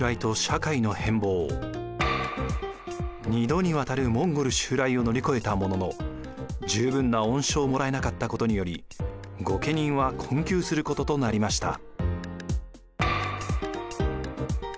２度にわたるモンゴル襲来を乗り越えたものの十分な恩賞をもらえなかったことにより御家人は困窮することとなりました。